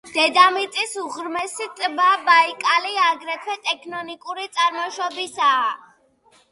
დედამიწის უღრმესი ტბა ბაიკალი აგრეთვე ტექტონიკური წარმოშობისაა.